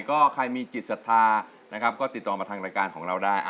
ก็ใครมีจิตศาธารณ์ก็ติดต่อมาทางราการของเราได้